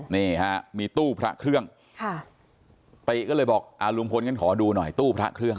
นี่ฮะมีตู้พระเครื่องค่ะติก็เลยบอกอ่าลุงพลงั้นขอดูหน่อยตู้พระเครื่อง